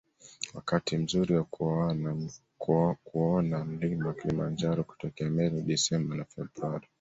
Wakati mzuri wa kuona mlima Kilimanjaro kutokea Meru ni Desemba na Februari